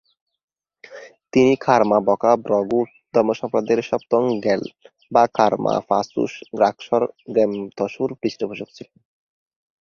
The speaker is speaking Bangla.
তিনি কার্মা-ব্কা'-ব্র্গ্যুদ ধর্মসম্প্রদায়ের সপ্তম র্গ্যাল-বা-কার্মা-পা ছোস-গ্রাগ্স-র্গ্যা-ম্ত্শোর পৃষ্ঠপোষক ছিলেন।